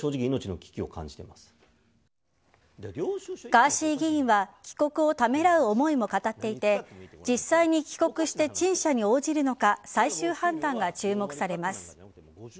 ガーシー議員は帰国をためらう思いも語っていて実際に帰国して陳謝に応じるのか最終判断が注目されます。